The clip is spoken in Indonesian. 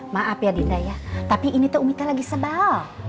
maaf ya dinda ya tapi ini tuh umitnya lagi sebal